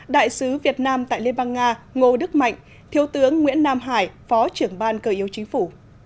đại sứ việt nam tại liên bang nga ngô đức mạnh thiếu tướng nguyễn nam hải phó trưởng ban cờ yếu chính phủ